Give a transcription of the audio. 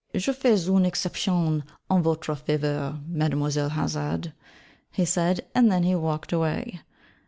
Je fais une exception en votre faveur, Mademoiselle Hazard,' he said: and then he walked away.